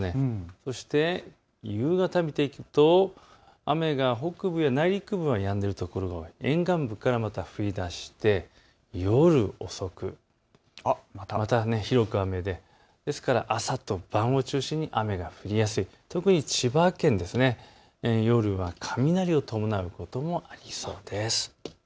そして夕方を見ると雨が沿岸部から降りだして夜遅く、また広く雨で、ですから朝と晩を中心に雨が降りやすい、特に千葉県、夜は雷を伴うこともありそうです。